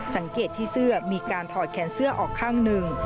สังเกตที่เสื้อมีการถอดแขนเสื้อออกข้างหนึ่ง